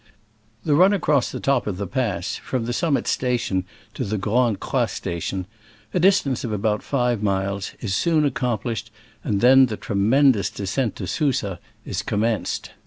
The run across the top of the pass, from the Summit station to the Grande Croix station — a distance of about five miles — is soon accomplished, and then the tremendous descent to Susa is com menced.